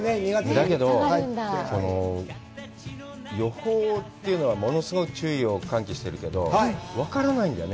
だけど、予報というのは物すごく注意を喚起しているけど、分からないんだよね。